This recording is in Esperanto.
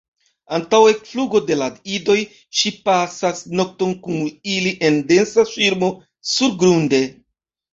Antaŭ ekflugo de la idoj ŝi pasas nokton kun ili en densa ŝirmo surgrunde.